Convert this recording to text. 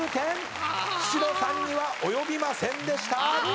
久代さんには及びませんでした。